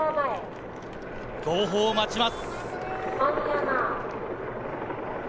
号砲を待ちます。